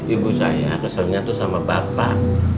ibu saya keselnya tuh sama bapak